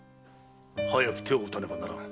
早く手を打たねばならん。